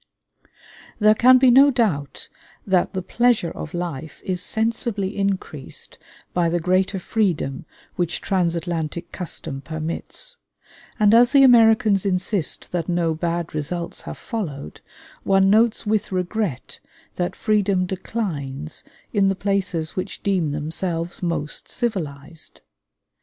There can be no doubt that the pleasure of life is sensibly increased by the greater freedom which transatlantic custom permits; and as the Americans insist that no bad results have followed, one notes with regret that freedom declines in the places which deem themselves most civilized.